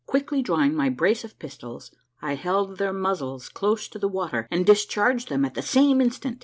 Quickly drawing my brace of pistols, I held their muzzles close to the water, and discharged them at the same instant.